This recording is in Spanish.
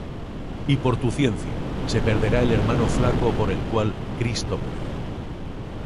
Y por tu ciencia se perderá el hermano flaco por el cual Cristo murió.